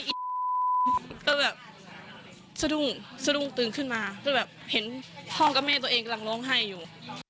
ก็แบบสะดุ้งสะดุ้งตื่นขึ้นมาก็แบบเห็นพ่อกับแม่ตัวเองกำลังร้องไห้อยู่